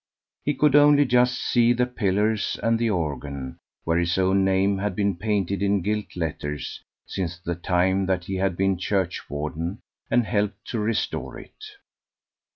He could only just see the pillars and the organ, where his own name had been painted in gilt letters since the time that he had been churchwarden and helped to restore it.